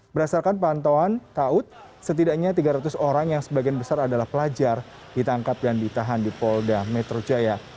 berdasarkan pantauan taut setidaknya tiga ratus orang yang sebagian besar adalah pelajar ditangkap dan ditahan di polda metro jaya